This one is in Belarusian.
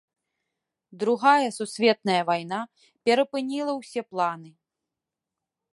Другая сусветная вайна перапыніла ўсе планы.